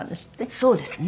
そうですね。